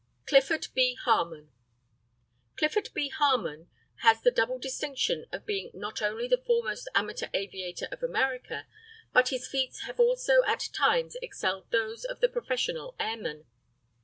CLIFFORD B. HARMON. CLIFFORD B. HARMON has the double distinction of being not only the foremost amateur aviator of America, but his feats have also at times excelled those of the professional airmen.